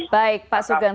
baik pak sugeng